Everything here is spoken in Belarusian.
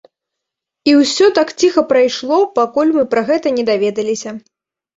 І ўсё так ціха прайшло, пакуль мы пра гэта не даведаліся.